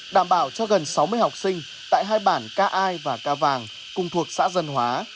đảm bảo cho gần sáu mươi học sinh tại hai bản ca ai và ca vàng cùng thuộc xã dân hóa